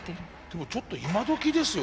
でもちょっと今どきですよね。